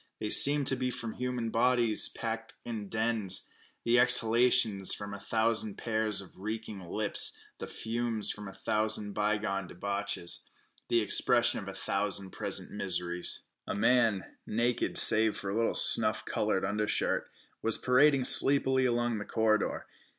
They seemed to be from human bodies closely packed in dens; the exhalations from a hundred pairs of reeking lips; the fumes from a thousand bygone debauches; the expression of a thousand present miseries. A man, naked save for a little snuff colored undershirt, was parading sleepily along the corridor.